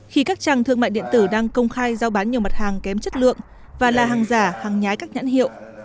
khi các trang thương mại điện tử đang công khai giao bán nhiều mặt hàng kém chất lượng và là hàng giả hàng nhái các nhãn hiệu